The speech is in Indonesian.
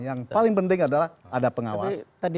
yang paling penting adalah ada pengawas